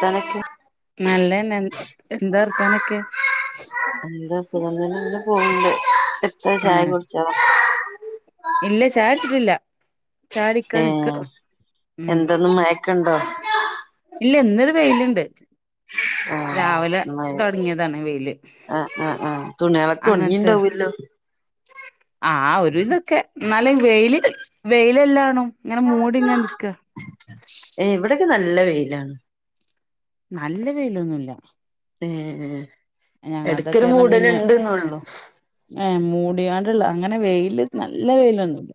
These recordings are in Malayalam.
തനക്ക് നല്ലന്നെ എന്താർത്ഥാനൊക്കെ എന്താ സുഖം തന്നെ ങ്ങനെ പോകുണ്ട് എത്താ ചായ ആഹ് കുട്ച്ചൊ ഇല്ല ചായട്ച്ചിട്ടില്ല ചായടിക്കാ ഏ നിക്ക് ഉം ക്ക്‌ണ്ടോ ഇല്ല ന്നൊരു വെയില്ണ്ട് ആ രാവിലെ മഴ തൊടങ്ങിയതാണ് വെയില് ആ ആ ആ തുണികളൊക്കെ ഉണങ്ങിണ്ടാവൂല്ലോ ആ ഒരു വിതൊക്കെ ന്നാല് വെയ്ല് വെയിലെല്ലാ ആണോ എ ഇവിടെക്കെ നല്ല വെയിലാണ് നല്ല വെയിലൊന്നുല്ല ഏ എടക്കൊരു മൂടല്ണ്ട് ന്നുള്ളൂ ഏ മൂടിയാണ്ടള്ള അങ്ങനെ വെയില് നല്ല വെയിലൊന്നുല്ല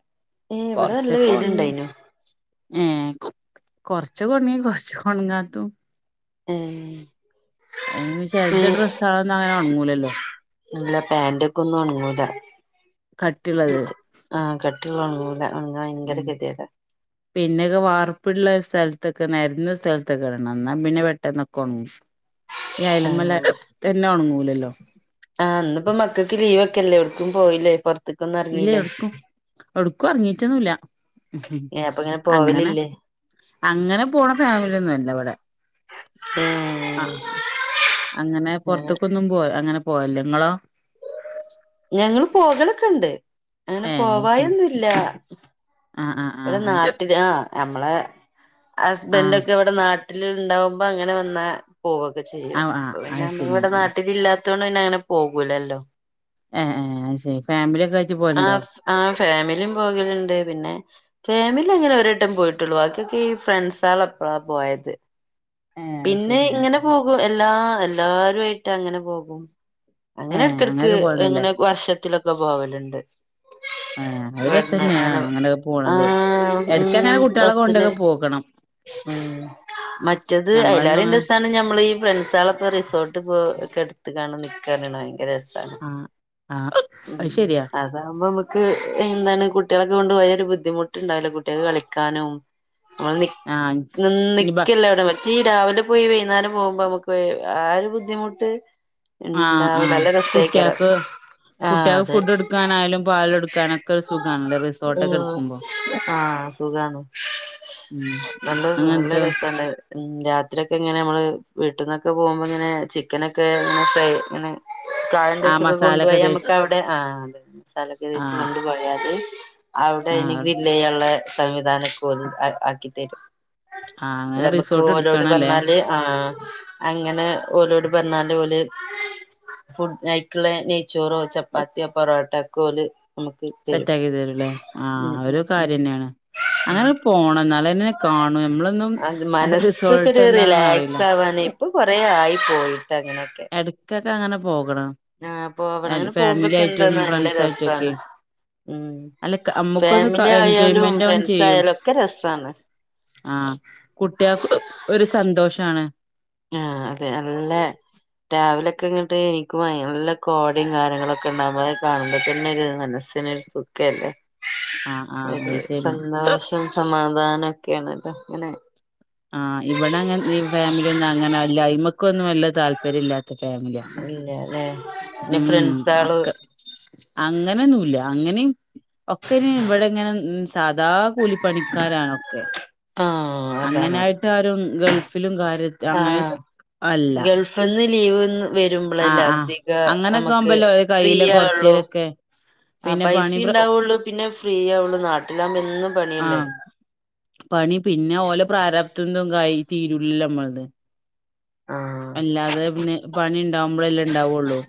ഏ ഇവിടെ നല്ല കൊറച്ചൊക്കെ ഉണങ്ങി വെയിലുണ്ടായിനു ഏ കൊ കൊറച്ച് കുണി കൊറച്ച് കൊണങ്ങാത്തു ഏ ഏ ഏ ചെൽത് ഡ്രെസ്സേളൊന്നും അങ്ങനെ ഉണങ്ങൂലല്ലോ ഇല്ല പ്യാന്റ് ഒക്കെ ഒന്നും ഒണങ്ങൂല കട്ടിള്ളത് ആ കട്ടിള്ളത് ഒണങ്ങൂല ഒൺങ്ങാൻ ഭയങ്കര ഉം കെതീട് പിന്നെയൊക്കെ വാർപ്പള്ള സ്ഥലത്തൊക്കെ നെരന്ന സ്ഥലത്തൊക്കെ ഇടണം എന്നാ പിന്നെ പെട്ടന്നൊക്കഓണങ്ങും ഈ ആ അയലമല തന്നെ ഒണങ്ങൂലല്ലോ ആ ഇന്നിപ്പോ മക്കക്ക് ലീവ് ക്കെല്ലെ ഒട്ക്കും പോയില്ലേ പൊർ ഇല്ല എട്ക്കും എടുക്കും എറങ്ങീറ്റൊന്നുല്ല ഏ അപ്പങ്ങനെ അങ്ങനെ പോവലില്ലേ അങ്ങനെ പോണ ഫാമിലിന്നും അല്ല ഇവിടെ ഏ ആ അങ്ങനെ പൊർത്ത്ക്കൊന്നും പോ അങ്ങനെ പോല്യ ങ്ങളോ ഞങ്ങള് പോകലൊക്കെണ്ട് അങ്ങനെ ഏ അത് ശരി പോവായൊന്നുംല്ല ആ ആ ആ ഇവിടെ നാട്ടില് ആ നമ്മളെ ആ ഹസ്ബൻഡഒക്കെ ഇവിടെ നാ നാട്ടില്ഉണ്ടവുമ്പോ അങ്ങനെ വന്നാ പോവൊക്കെ ആ ചെയ്യും ആ ഇപ്പപിന്നെ അത് ശരി നമ്മടെ ആ നാട്ടിലില്ലാ ത്തോണ്ട് പിന്നെ അങ്ങനെ പോകൂലല്ലോ ഏഹ് ഏഹ് ആ ശരി ഫാമിലിയൊക്കെ റ്റിപോലുണ്ടോ? ആഹ് ഫാമിലിയും പോകലുണ്ട് പിന്നെ ഫാമിലിഅങ്ങനെ ഒരെട്ടം പോയിട്ടുള്ളു ബാക്കിയൊക്കെ ഈ ഫ്രണ്ട്സആളാപ്പഴാ പോയത് ഏ അത് പിന്നെ ശരി ആ ഇങ്ങനെ ആ പോകും എല്ലാ എല്ലാരുആയിട്ട് അങ്ങനെ പോകും. ഏ അങ്ങനെ എടക്ക്എടക്ക് അങ്ങനെയൊക്കെ പോവണ്ടല്ലേ എങ്ങനെ വർഷത്തിലൊക്കെ പോവലുണ്ട്. [inaudible] ആഹ് ഞങ്ങള് ഇവിടുന്ന് രസംന്നെയ ആണ് അങ്ങനെയൊക്കെ പോണത് ആഹ് ഉം എടക്കഅങ്ങനെകുട്ടികളെ ബസ്സില് കൊണ്ടൊക്കെ പോകണം. ഉം മറ്റത് ഞങ്ങളൊന്നും അയില്ലാരുംഎന്റെ അങ്ങനെ സ അതാണ് ഞമ്മള് ഈ ഫ്രണ്ട്സ ആള്ഒക്കെ റിസോർട്ട് പോ ഒക്കെ എടുത്ത് കാണാ നിക്കാണ് ഭയങ്കര രസ [unintelligible] ആഹ് ആഹ് അത് ഉംഅതെ ശരിയാ അതകുമ്പോ നമ്മക്ക് എന്താണ് കുട്ടികളൊക്കെ കൊണ്ട് പോയാല് ബുദ്ധിമുട്ട്ണ്ടാവില്ലകുട്ടികൾക്ക് കളിക്കാനും ഓൻ നി ആഹ് നി ഇനി നിക്കല മറ്റേ ഈ രാവിലെ പോയി വൈകുന്നോരം പോകുമ്പോ നമ്മുക്ക് ര് ആരു ബുദ്ധിമുട്ട് ആഹ് ഇണ്ടാവൂല ആഹ് നല്ല രസേക്കാരം കുട്ടിയക്ക് ആഹ് കുട്ടികൾക്ക് അതെ ഫുഡ് എടുക്കാനായാലും പാല് എടുക്കാനൊക്കെ ഒരു സുഖമാണല്ലേ റിസോർട്ടൊക്കെ എടുക്കുപ്പോ? ആഹ് സുഖാണ് നല്ലൊരു നല്ല അങ്ങനത്തെ രസണ്ട് ര് ഉമ് രാത്രിയൊക്കെ ഇങ്ങനെ നമ്മള് വീട്ടന്നൊക്കെ പോകുമ്പോ ഇങ്ങനെ ചിക്കനൊക്കെ ഇങ്ങനെ ഫ്രൈ ഇങ്ങനെ ആ പ്രായംന്തെച്ചൊക്കെ കൊണ്ടുപോയ മസാലൊക്കെ തേച്ച് ഞമ്മക്ക് അവിടെ ആഹ് മസാലക്കെതേച്ച് ആഹ് കൊണ്ടപയാല് അവിടെ ആഹ് എനിഗ്രിൽ തെയ്യാനുള്ളെ സംവിധാനക്കെ ഒത് അ ആക്കി തരും. ആഹ്ങ്ങനേ റീസ്ക് ക്കൊലോട് പറഞ്ഞാല് ആഹ് അങ്ങനെ ഓലോട് പറഞ്ഞാല് ഓല് ഫുഡ് നൈക്കളെ നെയ്ച്ചോറോ ചപ്പാത്തിയോ പൊറോട്ടക്കോല് സെറ്റ് ആക്കിതരൂല്ലേ ആഹ് ഒരു ഉം ഉം കാര്യ ന്നെയാണ്. ഉം അങ്ങനെ പോണം എന്നാലേന്നെ കാണും നമ്മളൊന്നുംഅ അതോക്കെ ഒരു റിലാക്സ് ആവാനെ ഇപ്പൊ കൊറേ ആയി പോയിട്ട് അങ്ങ് എടക്കൊക്കെ അങ്ങനെ പോകണം. ആഹ് പോവണം അങ്ങനെ ഫാമിലി പോകുമ്പോക്കെ ആയിട്ടും എന്താന്ന് നല്ല ഫ്രണ്ട്സായിട്ടും ഒക്കെ രസാണ് ഉം അല്ല ക് അമ്മുക്കൊന്ന് ഫാമിലി ആയാലും എൻജോയ്മെന്റ് ആവേം ഫ്രണ്ട്സ് ചെയ്യും. ആയാലും ഒക്കെ രസാണ് ആഹ് കുട്ടികൾക്ക് ഒരു സന്തോഷാണ്. ആഹ് അതെയല്ലേ. രവിലെക്കെ ഇങ്ങട്ട് ക്ക് നല്ല കോടേം കാര്യങ്ങളൊക്കെ ഉണ്ടാവുമ്പോ കാണുമ്പോ തന്നെ ഒരു മനസ്സിനൊരു ത്ക്കെല്ലേ ആഹ് ആഹ് ഒരു അത് ശരിയാ സന്തോഷ സമാധാനൊക്കെയാണല്ലോ അങ്ങനെ ആഹ് ഇവിടെ അങ്ങ് ഈ ഫാമിലി ഒന്നും അങ്ങനെ അല്ല അയിമ ക്കൊന്നും വല്യ താല്പര്യം ഇല്ലാത്ത ഫാമിലി ഇല്യല്ലേ? ഉം ഒക്കെ. അങ്ങനൊന്നുല്ല അങ്ങനെയും ഒക്കെനി ഇവിടെ ഇങ്ങനെ നിസ് സാധാ കൂലിപ്പണിക്കാരാണൊക്കെ ആഹ്. അതാണ് അങ്ങനായിട്ട് ആരും ഗൾഫിലും കാര്യ ആഹ് അങ്ങനെക്കെ അല്ല ഗൾഫിന്ന് ലീവ് വരുമ്പോളല്ലേ ആഹ് ആഹ് അധിക അങ്ങനൊക്കെ നമുക്ക് ആവുമ്പല്ലെ ഒലെ കൈയ്യില് കൊറച്ച് ക്കെ ആഹ് പൈസ ഉണ്ടാവുള്ളു പിന്നെ ഫ്രീ ആവുള്ളു നാട്ടിലാകുമ്പം എന്നും പണിയല്ലേ ആഹ്പണി പിന്നേ ഒല പ്രാരപ്ത്തന്തായിതീരുല്ലേ മ്മള് ആഹ് അല്ലാതെ പിന്നെ പണി ഇണ്ടാവുമ്പോളല്ലേ ഇണ്ടാവുള്ളൂ.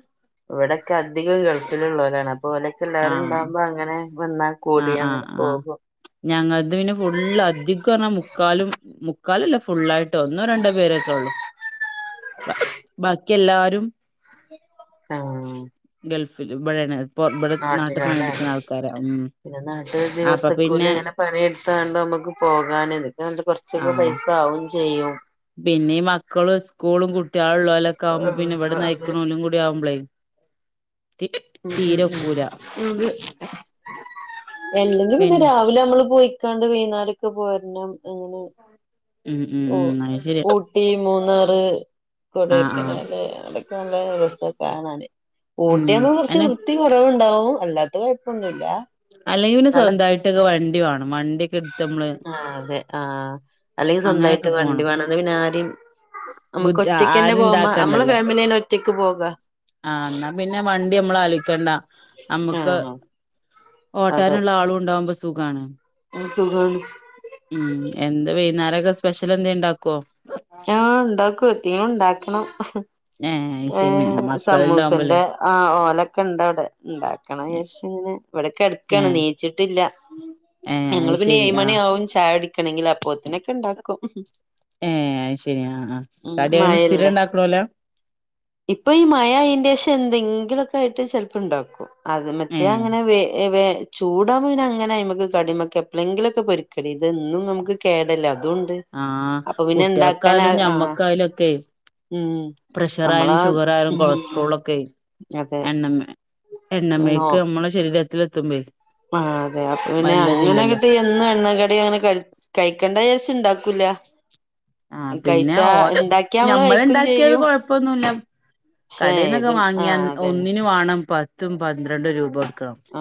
ഇവിടൊക്കെ അധികം ഗൾഫിലുള്ളവരാണ് അപ്പോ ഓലൊക്കെ എല്ലാവരും ആഹ് ഉണ്ടാകുമ്പോ അങ്ങനെ വന്നാൽ ആഹ് ആഹ് ആഹ്. ഞങ്ങത് പിന്നെ ഫുള്ള് അധികറഞ്ഞാൽ മുക്കാലും മുക്കാലും അല്ല ഫുള്ളായിട്ട് ഒന്നോ രണ്ടോ പേരൊക്കെ ഉള്ളു ബാക്കി എല്ലാരും ആഹ് ഗൾഫിൽ ഇവിടെയാണ് ഇപ്പൊ ഇവിടെ നാട്ടി നാട്ടിലാല്ലേ പണിടുക്കണ ആൾക്കാരാ ഉം പിന്നെ നാട്ട് അപ്പൊ ദിവസക്കൂലി പിന്നെ ഇങ്ങനെ പണിയെടുത്താണ്ട് നമുക്ക് പോകാൻ ഇതൊക്കെ കുറച്ചൊക്കെ ആഹ് പൈസ ആവു ചെയ്യോ പിന്നെ മക്കളും ഇസ്കൂളും കുട്ട്യേൾള്ളോലൊക്കെ ആകുമ്പോ പിന്നെ ഇവിടെ അതെ നെയ്‌ക്ണോനും കൂടി ആവുമ്പളേ ഉം ഉം [unintelligible] എല്ലെങ്കി പിൻ പിന്നെ രാവിലെ നമ്മള് പോയി ക്കാണ്ട് വെയ്ന്നാരോക്കെ പോര്ണം അങ്ങനെ ഉം ഉം ഉ ഉം അത് ശരിയാ ഊട്ടി മൂന്നാറ് ആഹ് ആഹ് കൊടയ്ക്കനാൽ അവി [unintelligible] ണ് ഉം ഊട്ടിയാണ് കുറച്ച് അനെ വൃ ത്തി കുറവുണ്ടാവും അല്ലാത്ത കുഴപ്പൊ ഒന്നുല്ല അല്ലെങ്കില് സ്വന്തായിട്ടൊക്കെ വണ്ടി വേണം വണ്ടിക്കെ എടുത്ത് മ്മള് ആഹ് അതെ ആഹ് അല്ലെങ്കി സ്വന്തമായിട്ട് വണ്ടി പോണം വേണം ന്നെങ്കി പിന്നെ ആരേം അമ്മക്ക് ബുദ്ധി ഒറ്റക്ക് തന്നെ ആരും പോവ മ്മ അമ്മളെ ഇണ്ടാക്കണ്ടല്ലോ ഫാമിലിന്നെ ഒറ്റക്ക് പോകാ ആഹ് ന്നാ പിന്നെ വണ്ടി അമ്മള് ആലോയ്ക്കണ്ട ആ അമ്മക്ക് ഓട്ടാനുള്ള ആളും ഉണ്ടാഉമ്പോ സുഖാണ് ആഹ് സുഖാണ് ഉം എന്ത് വൈന്നേരൊക്കെ സ്പെഷ്യൽ എന്തേ ണ്ടാക്കോ ആഹ് ണ്ടാക്കും എതീം ണ്ടാക്കണം ഏഹ് അത് ശരി ഏഹ് മക്കളുണ്ടാവുമ്പോല്ലേ സമൂസേന്റെ ആഹ് ഓലൊക്കെണ്ട് അവിടെ ഉണ്ടാക്കണം വിചാരിച്ചിങ്ങനെ ഇവിടെ കെടക്കാണ് ഏഹ് നീ ച്ചിട്ടില്ല ഏഹ് ഞങ്ങള് അത് പിന്നെ ശരി ഏഴ് മണി ആഹ് ആവും ചായ കുടിക്കണെങ്കിൽ അപ്പോത്തിനൊക്കെണ്ടാക്കും ഏഹ് അയ് ശരി ആഹ് ആഹ് ഉം കടി അങ്ങനെ സ്ഥിരം മഴയല്ലേ ഇണ്ടാക്കണോലാ ഇപ്പൊ ഈ മഴ ആയിന്റെഷം എന്തെങ്കിലുക്കെ ആയിട്ട് ചിലപ്പോ ഇണ്ടാക്കും അത് മറ്റേ ഏഹ് അങ്ങനെ വേ വേ ചൂടാഉ മ്പൊ അങ്ങനെയ്മ്മക്ക് കടിമ്മക്ക് എപ്പളെങ്കിലൊക്കെ പൊരിക്കടി ഇതൊന്നും നമുക്ക് കേടല്ലേ അതുംണ്ട് ആഹ് കുട്ടിയേക്കായാലും ഞമ്മക്കായാലും ഒക്കെ ഉം പ്രഷർ ആയാലും നമ്മളാ ഷുഗർ ആയാലും ഉം കൊളസ്ട്രോൾ ഒക്കെ അതെ എണ്ണമ്മെ എണ്ണമേഴ്ക്ക് നമ്മള ശരീരത്തിൽ എത്തുമ്പയ് മാഹ്തെ അപ്പപിന്നെ അങ്ങനെങ്ങട്ട് എ ന്നും എണ്ണ കടി അങ്ങനെ കയ് കഴിക്കണ്ടചാരിച്ച് ണ്ടാക്കൂല്യ ആഹ് പിന്നെ ഓ ഇണ്ടാക്കിയാ നമ്മള് ഞമ്മൾ കഴിക്കും ണ്ടാക്കിയത് ചെയ്യും കൊഴപ്പൊന്നുല്ല പക്ഷെ കടേന്നൊക്കെ ഏത് ആ വാങ്ങിയാ അതന്നെ ഒന്നിനു വേണം പത്തും പന്ത്രണ്ടും രൂപട് ക്ക ആ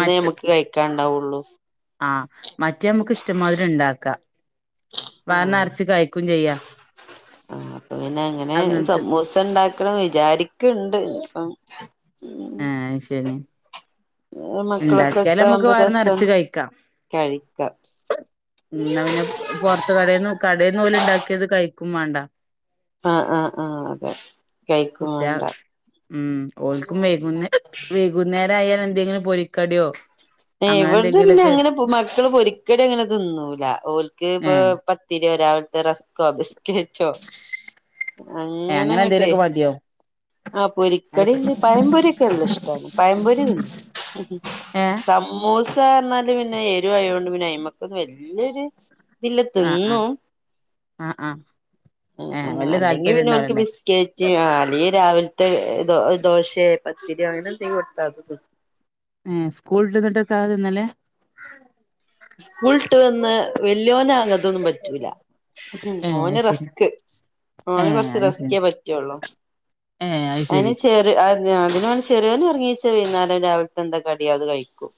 മറ്റ് ഒള്ളു ആഹ് മറ്റേ മുക്ക് ഇഷ്ടംമാതിരി ണ്ടാക്കാം ആ വയർ നറച്ചു കഴിക്കും ചെയ്യാ ആഹ് പ്പൊ പിന്നെ അങ്ങനെ അങ്ങനത്തെ സമൂസണ്ടാക്കണം വിചാരിക്ക്‌ണ്ട് ഇപ്പം ആഹ് ശരി ഉം മക്കളൊക്കെ ണ്ടാക്കിയാൽ നമ്മക്ക് ഒത്താവുമ്പോ വയർ നിറച്ച് രസാണ് കഴിക്കാ കഴിക്കാം ഉം ന്നാപിന്നെ പൊറത്ത് കടേന്ന് കടയിൽന്ന് ഓൽ ഉണ്ടാക്കിയത് കഴിക്കും വേണ്ട ആഹ് ആഹ് ആഹ് അതെ കഴിക്കും കുട്ട്യാ വേണ്ട ഉം ഓൽക്കും വൈകുന്നെ വൈകുന്നേ രായാൽ എന്തെങ്കിലും പൊരിക്കടിയോ ഏഹ് അങ്ങനെ വെടെ പിന്നെ എന്തെങ്കിലൊക്കെ അങ്ങനെ മക്കള് പൊരിക്കടി അങ്ങനെ തിന്നൂല ഓൽക്ക്പ് ഏഹ് പ്പ ത്തിരിയോ രാവിലത്തെ റസ്കോ ബിസ്കറ്റോ ഏഹ് അങ്ങനെ അങ്ങനെങ്ങട്ടെ എന്തേലുമൊക്കെ മതിയോ ആഹ് പൊരിക്കടിണ്ട് പയംപൊരിയൊക്കെ നല്ല ഇഷ്ടാണ് പയംപൊരി തിന്നും ഏഹ് സമ മൂസർഞ്ഞാല് പിന്നെ എരുവായൊണ്ട് പിന്നെ അയിമക്കൊന്നും വല്യൊരു ഇതില്ല ആഹ് ആഹ് തിന്നും ആഹ് ആഹ് ഏഹ് അങ് വല്യ അല്ലെങ്കി താല്പര്യം പിന്നെ ഓൽക്ക് ഉണ്ടാവൂലല്ലേ ബിസ്കേ ച്ച് അല്ലെങ്കി രാവിലത്തെ ദോ ദോശയോ പത്തിരിയൊ അങ്ങനെ എന്തെങ്കും കൊടുത്താ തിന്നും ഏഹ് സ്കൂളിട്ടന്നിട്ട് അതക്കാ തിന്നല് സ്കൂൾട്ട് വന്ന് വല്യോന് അങ്ങതൊന്നും പറ്റൂല ഏഹ് അത് ഓന് ശരി റെസ്ക്ക്‌ ഓന് ഏഹ് കൊറച്ച് അത് ശരി റെസ്ക്കേ പറ്റുള്ളൂ ഏഹ് അയ്ശെ അതിന് ചെറി അ അതിനോട് ചെറിയോൻ ഉറങ്ങിനീചാ വൈന്നേരം രാവിലത്തെ എന്താ കടി അത് കഴിക്കും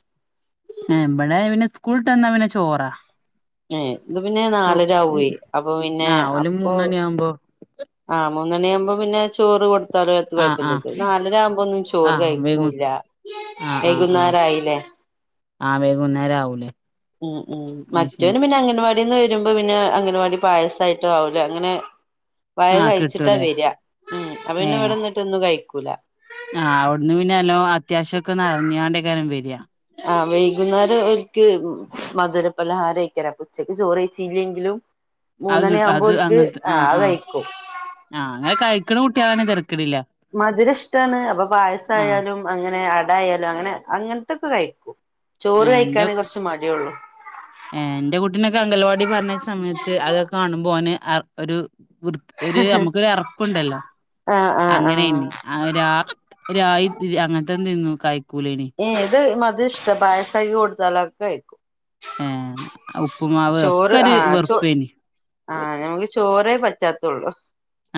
ഏഹ് ഇവടെ പിന്നെ സ്കൂൾട്ട് വന്നാ പിന്നെ ചോറാ ഏഹ് ഇത് പിന്നെ ചോ ഉം നാലരാവുവേ അപ്പോ പിന്നെ ആഹ് ഓല് അപ്പോ മൂന്ന് മണിയാവുമ്പോ ആഹ് മൂന്നണി ആവുമ്പോ പിന്നെ ചോറ് കൊടു [unintelligible] എത്തും ആഹ് കൊഴപ്പല്ല ആഹ് ഇത് നാലര ആകുമ്പോ ഒന്നും ചോറ് ആഹ് വൈകു കഴിക്കൂലാ ആഹ് ആഹ് ആഹ് വൈകുന്നേരായിലെ ആഹ് വൈകുന്നേരം അവൂലെ ഉം ഉം മറ്റൊന് പിന്നെ അംഗൻവാടിന്ന് വരുമ്പോ പിന്നെ അംഗൻവാടി പായസായിട്ടും അവിൽ അങ്ങനെ വയറ് ആഹ് കഴിച്ചിട്ടാ കിട്ടൂലേ വരാ ഉം അപ്പ പിന്നെ ഏഹ് ഇവിടെന്നിട്ട് ഒന്നും കഴിക്കൂല ആഹ് അവിടുന്ന് പിന്നെ നല്ലോം അത്യാശൊക്കെ നെറഞ്ഞോണ്ടെക്കാരം വര ആഹ് വൈകുന്നേരം ഓൽക്ക് മധുര പലഹാരെയ്ക്കാരം ഉച്ചക്ക് ചോറ് കയ്ച്ചില്ലെങ്കിലും അത് കിട്ടാ അത് അങ്ങനത്തെ ആഹ് അത് ആഹ് കഴിക്കും ആഹ് അങ്ങനെ കഴിക്കുന്ന കുട്ടിയാണെ തിരക്കേടില്ല മധുരം ഇഷ്ടാണ് അപ്പോ പായസായാലും അങ്ങനെ അടായാലും അങ്ങനെ അങ്ങനത്തൊക്കെ കഴിക്കും ചോറ് കഴിക്കാനെ കൊറച്ച് മടിയൊള്ളു ഏഹ് ഇന്റെ കുട്ടീനൊക്കെ അംഗൽവാടി പറഞ്ഞയച്ച സമയത്ത് അതൊക്കെ കാണുമ്പോന് ഓൻ അറ ഒരു വൃ ഒരു നമുക്കൊരു അറപ്പുണ്ടല്ലോ ആഹ് ആഹ് ആഹ് അങ്ങനെയ്നി ആ രാ രാഗി അങ്ങനത്തെന്നു തി കയ്ക്കൂലെനി ഏഹ് ഇത് മധുരം ഇഷ്ടാ പായസാക്കി കൊടുത്താലും ഒക്കെ കയിക്കും ഉപ്പുമാവ് ഒക്കെ ഒരു ചോ വെറുപ്പേനി ആഹ് ഞമക്ക് ചോറേ പറ്റാത്തൊള്ളൂ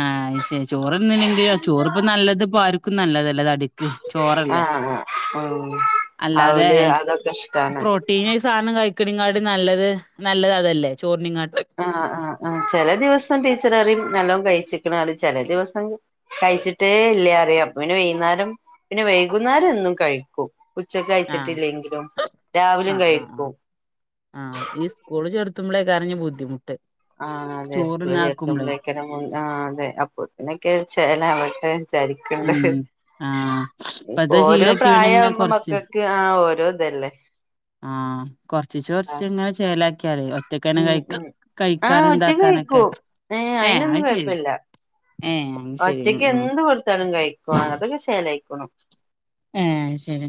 ആഹ് ശേ ചോറ്ന്നിലങ്കി ചോറ് ഇപ്പോ നല്ലത്പ്പ ആർക്കും നല്ലതല്ല തടി ക്ക്‌ ചോറല്ലേ ആഹ് ആഹ് ഉം അല്ലാതെ അവല് ഹെൽ അതൊക്കെ ഇഷ്ടാണ് പ്രോ ട്ടീനെ സാനം കഴിക്കണിങ്കാട്ടി നല്ലത് നല്ലത് അതല്ലേ ചോറിണിങ്ങാ ആഹ് ആഹ് ആഹ് ചെല ദിവസം ടീച്ചർ അറിം നല്ലോം കഴിച്ചിക്കണാറിം ചെല ദിവസം കഴിച്ചിട്ടേ ഇല്ല്യറിയും അപ്പോ പിന്നെ വൈന്നരം പിന്നെ വൈകുന്നേരം എന്നും കഴിക്കും. ആഹ് ഉച്ചക്കയിച്ചിട്ടില്ലെങ്കിലും രാവിലേം ആഹ് കഴിക്കും കുള്ചേർത്തുമ്പോളേകാരം ഞ് ബുദ്ധിമുട്ട് ആഹ് അതെ സ്കൂള് ചോറ്ന്നാക്കുമ്പളേ ചേർത്തുമ്പോഴേക്കെ ആഹ് അതെ അപ്പോത്തിനൊക്കെ ചെലാവ് ങ്ങനെചാരിക്ണ്ട് ഉം ആഹ് ഇപ്പോ ഇപ്പത് ഓരോ ശീലാക്കി പിന്നെങ്ങനെ പ്രായവുബം കൊറച്ച് മക്ക ക്ക് ആഹ് ഓരോതല്ലേ ആഹ് കൊറചീച്ചേ കൊറച്ച് ങ്ങനെ ചേലാക്കിയാതി ഒ മ്മ് മ്മ് ആഹ് ഒറ്റക്ക് ഇതാക്കാനൊക്കെ കഴിക്കൂ ഏഹ് അയിനൊന്നും അത് ശെരി കൊഴപ്പില്ല. ഏഹ് അത് ശെരി ഉം ഒറ്റക്ക് ഉം എന്ത് കൊടുത്താലും കഴിക്കും അതൊക്കെ ശേലയ്ക്കോളും ഏഹ് ശെരി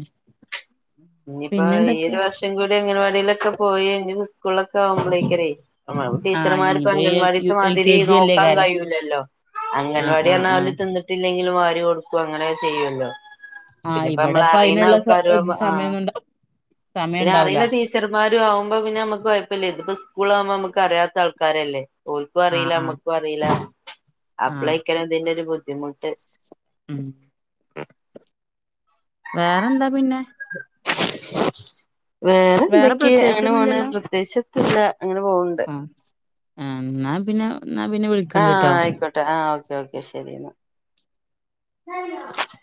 ഞ്ഞിയിപ്പോ പിന്നെന്തൊക്കെ ഈഒരു വർഷം കൂടി അംഗൻവാടിയിലൊക്കെ പോയാ ഇഞ്ഞു സ്കൂളൊക്കെ ആവുമ്പോളേക്കാനേ ആഹ് ടീച്ചർമാര്ക്കും ഇനിപ്പ ഈ എൽ യു അംഗൻവാടിത്തെ എൽ മാതിരി കെ ജി നോക്കാൻ അല്ലേകാരം കഴിയുല്ലല്ലോ ആഹ് അംഗൻവാടിയാണ ആഹ് അവല് ആഹ് തിന്നിട്ടില്ലെങ്കിലും വാരി കൊടുക്കു അങ്ങനെ ചെയ്യുല്ലോ ആഹ് പിന്നെപ്പ ഇവിടെപ്പ നമ്മളറിയുന്ന അയിനുള്ള സ ആൾക്കാരുആവുമ്പോ ആഹ് സമയൊന്നുണ്ട പിന്നെ സമയണ്ടാവൂല അറിയുന്ന ടീ ടിച്ചാറുമാരു ആവുമ്പാ പിന്നെ അമക്ക് കൊയപ്പല്ല്യര്ന്നു. ഇതിപ്പോ സ്കൂളാ ആവുമ്പോ നമക്ക് അറിയത്ത ആൾകാരല്ലേ ഓൽകു ആഹ് അറീല ആഹ് അമ്മക്കു അറീല ആഹ് അപ്പളെകാരെ ഇതിന്റൊരു ബുദ്ധിമുട്ട് ഉം വേറെന്താ പിന്നെ വേറെ എന്തൊക്കെ അങ്ങനെ വോണ് പ്രത്യേകി ച്ചൊന്നുല അങ്ങനെ പോവുന്ന് ആഹ് അന്നാ പിന്നെ എന്ന പിന്നെ. വി.. ആഹ ആയിക്കോട്ടെ ആ ഓക്കെ ഓക്കെ ശരിെന്നാ.. ആ [unintelligible]